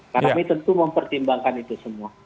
karena kami tentu mempertimbangkan itu semua